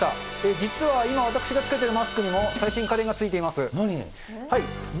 実は今、私が着けているマスクにも最新家電がついています。